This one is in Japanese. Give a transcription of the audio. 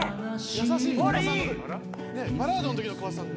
優しい桑田さん